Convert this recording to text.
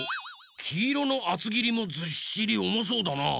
きいろのあつぎりもずっしりおもそうだな。